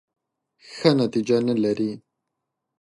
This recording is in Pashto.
ښه نتیجه نه لري .